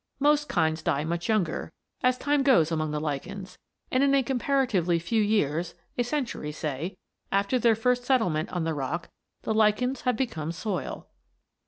Most kinds die much younger, as time goes among the lichens, and in a comparatively few years, a century say, after their first settlement on the rock, the lichens have become soil.